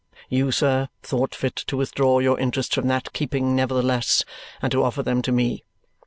You, sir, thought fit to withdraw your interests from that keeping nevertheless and to offer them to me.